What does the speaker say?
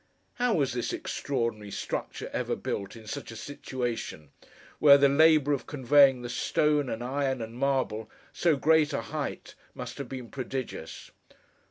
How was this extraordinary structure ever built in such a situation, where the labour of conveying the stone, and iron, and marble, so great a height, must have been prodigious?